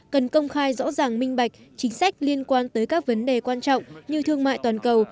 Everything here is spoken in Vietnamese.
cần công khai rõ ràng minh bạch chính sách liên quan tới các vấn đề quan trọng như thương mại toàn cầu